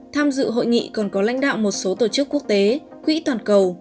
tham dự hội nghị còn có lãnh đạo một số tổ chức quốc tế quỹ toàn cầu